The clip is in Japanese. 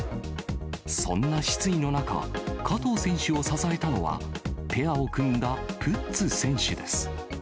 そんな失意の中、加藤選手を支えたのは、ペアを組んだプッツ選手です。